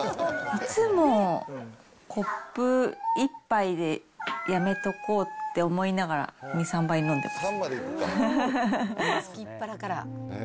いつもコップ１杯でやめとこうって思いながら２、３杯飲んでます。